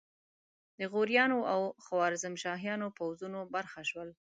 د غوریانو او خوارزمشاهیانو پوځونو برخه شول.